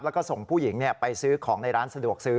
แล้วก็ส่งผู้หญิงไปซื้อของในร้านสะดวกซื้อ